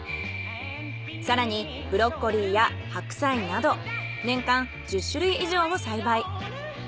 更にブロッコリーや白菜など年間１０種類以上を栽培。